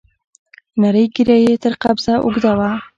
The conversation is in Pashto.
نرۍ ږيره يې تر قبضه اوږده وه.